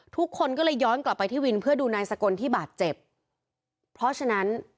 ทุกคนก็เลยย้อนกลับไปที่วินเพื่อดูนายสกลที่บาดเจ็บเพราะฉะนั้น